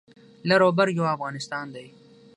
لر او بر یو افغانستان دی